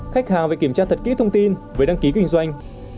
khách hàng phải kiểm tra thật kỹ thông tin về đăng ký kinh doanh